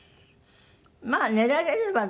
まあ寝られればね